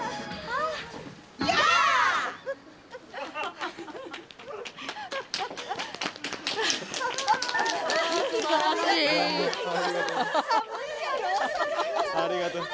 ありがとう。